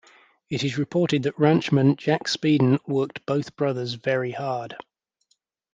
It is reported that ranchman Jack Speiden worked both brothers "very hard".